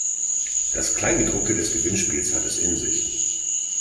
Das Kleingedruckte des Gewinnspiels hat es in sich.